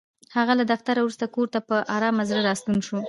هغه له دفتره وروسته کور ته په ارامه زړه راستون شو.